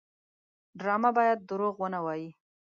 ډرامه باید دروغ ونه وایي